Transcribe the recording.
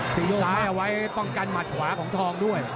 ทิ้งซ้ายเอาไว้ป้องกันหมัดขวาของทองด้วย